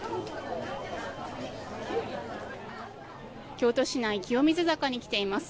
京都市内清水坂に来ています。